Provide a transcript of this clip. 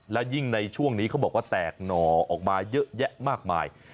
และยิ่งในช่วงนี้เขาบอกว่าแตกหน่อออกมาเยอะแยะมากมาย